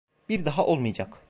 Bir daha olmayacak.